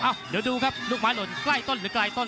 เดี๋ยวดูครับลูกไม้หล่นใกล้ต้นหรือไกลต้น